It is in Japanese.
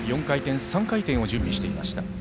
４回転、３回転を準備していました。